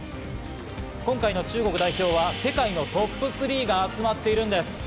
今回の中国代表は世界のトップ３が集まっているんです。